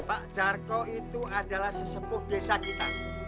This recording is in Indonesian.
pak jarko itu adalah sesepuh desa kita